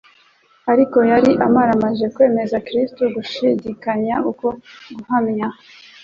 Ariko yari amaramaje kwemeza Kristo gushidikanya uko guhamya.